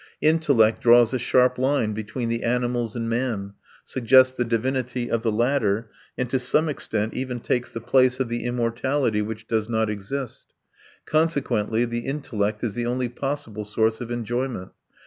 Intellect draws a sharp line between the animals and man, suggests the divinity of the latter, and to some extent even takes the place of the immortality which does not exist. Consequently the intellect is the only possible source of enjoyment.